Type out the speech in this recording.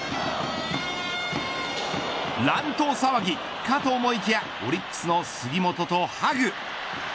乱闘騒ぎかと思いきやオリックスの杉本とハグ。